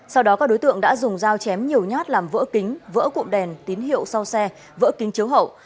sau đó các đối tượng đã dùng dao chém nhiều nhát làm vỡ kính vỡ cụm đèn tín hiệu sau xe vỡ kính chiếu hậu